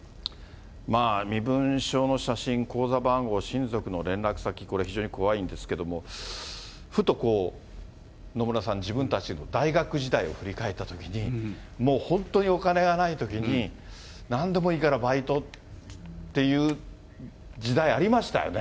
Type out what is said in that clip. まあ、身分証の写真、口座番号、親族の連絡先、これ非常に怖いんですけども、ふとこう、野村さん、自分たちの大学時代を振り返ったときに、もう本当にお金がないときに、なんでもいいからバイトっていう時代ありましたよね。